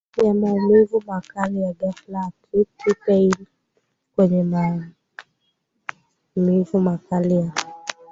ya maumivu makali ya ghafla acute pain kwenye maumivu makali ya